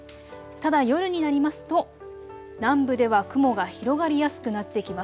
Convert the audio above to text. ただ夜になりますと南部では雲が広がりやすくなってきます。